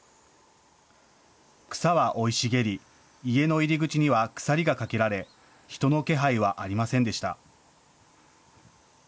草は生い茂り、家の入り口には鎖がかけられ、人の気配はありませんでした。